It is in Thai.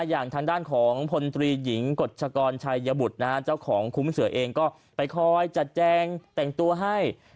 อย่างทางด้านของพลตรีหญิงกฎชกรชายบุตรนะฮะ